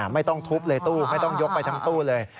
ไม่ต้องทุบเลยตู้ไม่ต้องยกไปทั้งตู้เลย